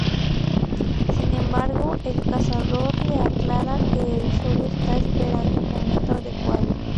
Sin embargo el cazador le aclara que el solo está esperando el momento adecuado.